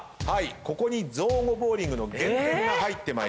ここに造語ボウリングの減点が入ってまいります。